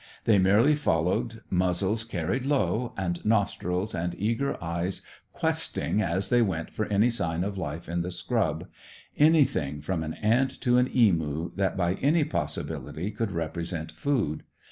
They merely followed, muzzles carried low, and nostrils and eager eyes questing as they went for any sign of life in the scrub anything, from an ant to an emu, that by any possibility could represent food.